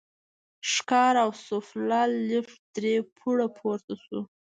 ښکار او سوفله، لېفټ درې پوړه پورته شو.